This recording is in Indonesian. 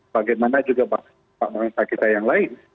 bagaimana juga bangsa kita yang lain